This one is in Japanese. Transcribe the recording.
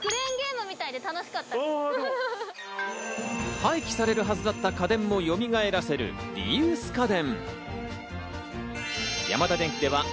廃棄されるはずだった家電もよみがえらせるリユース家電。